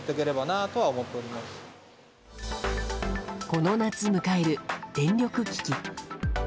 この夏迎える電力危機。